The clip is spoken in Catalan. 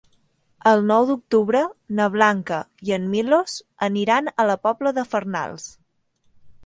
El nou d'octubre na Blanca i en Milos aniran a la Pobla de Farnals.